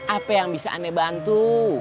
apa yang bisa anda bantu